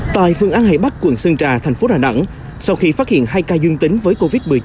tại phương an hải bắc quận sơn trà tp đà nẵng sau khi phát hiện hai ca dương tính với covid một mươi chín